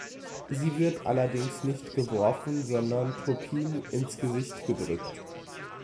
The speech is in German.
Sie wird allerdings nicht geworfen, sondern Turpin ins Gesicht gedrückt.